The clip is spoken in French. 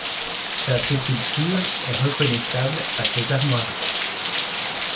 Sa sépulture est reconnaissable à ses armoiries.